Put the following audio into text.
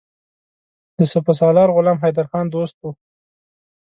د سپه سالار غلام حیدرخان دوست وو.